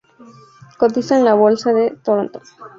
Cotiza en la Bolsa de Toronto.